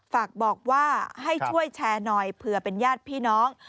ฝากบอกว่าให้ช่วยแชร์หน่อยเผื่อเป็นญาติพี่น้อง